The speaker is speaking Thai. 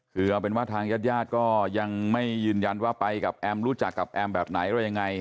คือเอาเป็นว่าทางญาติญาติก็ยังไม่ยืนยันว่าไปกับแอมรู้จักกับแอมแบบไหนว่ายังไง